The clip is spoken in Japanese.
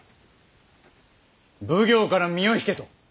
奉行から身を引けと。